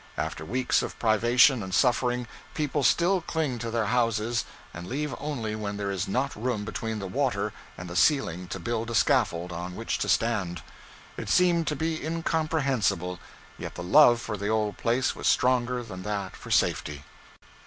After weeks of privation and suffering, people still cling to their houses and leave only when there is not room between the water and the ceiling to build a scaffold on which to stand. It seemed to be incomprehensible, yet the love for the old place was stronger than that for safety.